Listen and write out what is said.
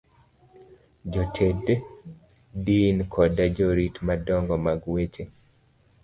Jotend din koda jorit madongo mag weche